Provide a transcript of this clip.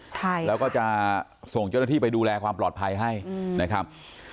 ใช่แล้วก็จะส่งเจ้าหน้าที่ไปดูแลความปลอดภัยให้นะครับ